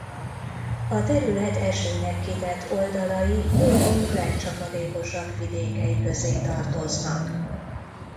A terület esőnek kitett oldalai bolygónk legcsapadékosabb vidékei közé tartoznak.